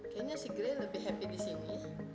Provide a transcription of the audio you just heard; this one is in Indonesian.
kayaknya si grey lebih happy di sini